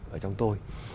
ở trong tôi